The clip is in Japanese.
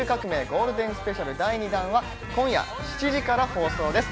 ゴールデンスペシャル第２弾は今夜７時から放送です。